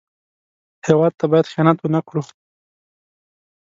هېواد ته باید خیانت ونه کړو